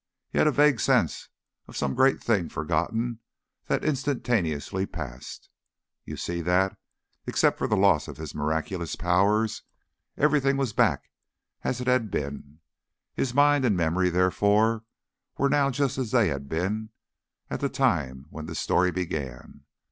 He had a vague sense of some great thing forgotten that instantaneously passed. You see that, except for the loss of his miraculous powers, everything was back as it had been, his mind and memory therefore were now just as they had been at the time when this story began.